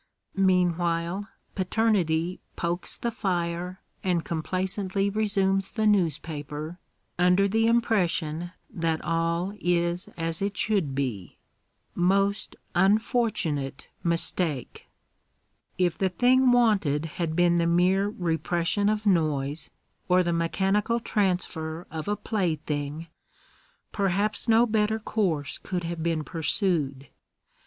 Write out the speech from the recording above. Meanwhile paternity pokes the fire and complacently resumes the newspaper f nder the impression that all is as it should be : most unfortunate mistake ! If the thing wanted had been the mere repression of noise, or the mechanical transfer of a plaything, perhaps no better course could have been pursued.